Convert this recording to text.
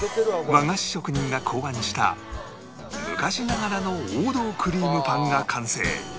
和菓子職人が考案した昔ながらの王道クリームパンが完成